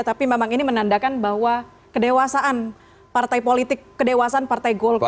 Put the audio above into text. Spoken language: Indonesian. tapi memang ini menandakan bahwa kedewasaan partai politik kedewasan partai golkar